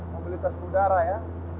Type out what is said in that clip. mobilitas udara ya